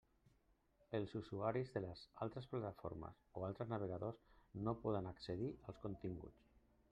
Els usuaris de les altres plataformes o altres navegadors no poden accedir als continguts.